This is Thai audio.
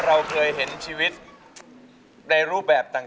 อายุ๒๔ปีวันนี้บุ๋มนะคะ